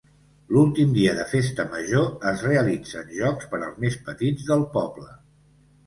L'últim dia de festa major es realitzen jocs per als més petits del poble.